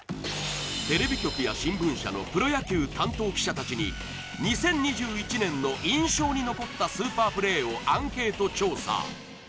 テレビ局や新聞社のプロ野球担当記者達に２０２１年の印象に残ったスーパープレーをアンケート調査